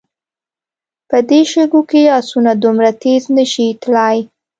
په دې شګو کې آسونه دومره تېز نه شي تلای.